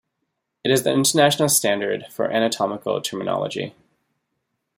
It is the international standard for anatomical terminology.